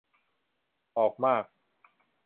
ออกมาก